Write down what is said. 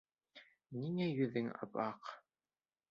Ниңә йөҙөң ап-аҡ?